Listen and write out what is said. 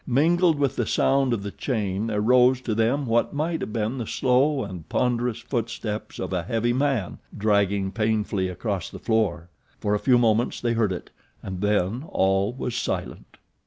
Mingled with the sound of the chain there rose to them what might have been the slow and ponderous footsteps of a heavy man, dragging painfully across the floor. For a few moments they heard it, and then all was silent.